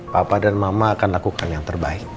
papa dan mama akan lakukan yang terbaik